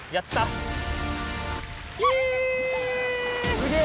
すげえ！